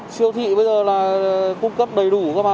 siêu thị bây giờ là cung cấp đầy đủ ra mà